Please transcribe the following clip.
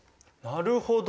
なるほど。